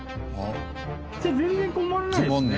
じゃあ全然困らないですね